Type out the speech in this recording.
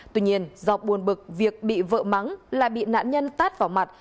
tuy nhiên do buồn bực việc bị vợ mắng lại bị nạn nhân tát vào mặt